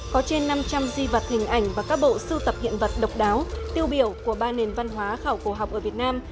có trên năm trăm linh di vật hình ảnh và các bộ sưu tập hiện vật độc đáo tiêu biểu của ba nền văn hóa khảo cổ học ở việt nam